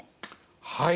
はい。